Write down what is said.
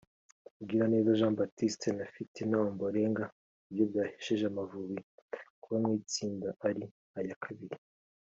Mugiraneza Jean Baptiste na Fitina Ombalenga nibyo byahesheje Amavubi kuba mu itsinda ari aya kabiri